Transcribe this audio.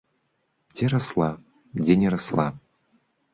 Дзе расла, дзе не расла.